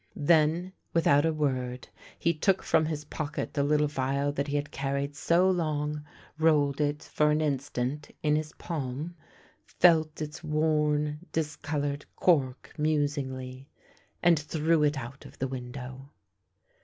Then, without a word, he took from his pocket the httle phial that he had carried so long, rolled it for an instant in his palm, felt its worn, discoloured cork musingly, and threw it out of the window.